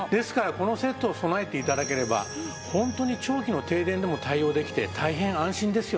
このセットを備えて頂ければホントに長期の停電でも対応できて大変安心ですよね。